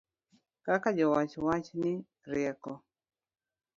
Kaka jowach wacho ni rieko